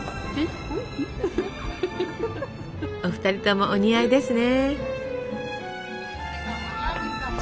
お２人ともお似合いですね。